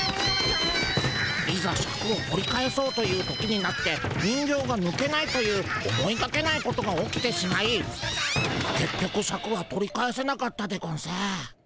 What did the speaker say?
いざシャクを取り返そうという時になって人形がぬけないという思いがけないことが起きてしまいけっ局シャクは取り返せなかったでゴンス。